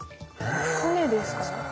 船ですか？